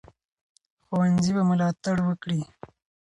ښوونځي به ملاتړ وکړي.